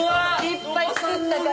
いっぱい作ったから。